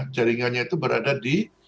jaringannya itu berada di